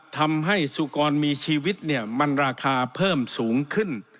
ทำให้สุกรมีชีวิตเนี่ยมันราคาเพิ่มสูงขึ้น